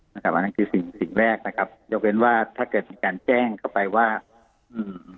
อันนั้นคือสิ่งสิ่งแรกนะครับยกเว้นว่าถ้าเกิดมีการแจ้งเข้าไปว่าอืม